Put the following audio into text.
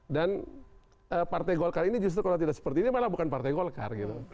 dan partai golkar ini justru kalau tidak seperti ini malah bukan partai golkar gitu